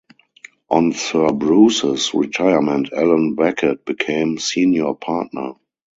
On Sir Bruce's retirement Allan Beckett became senior partner.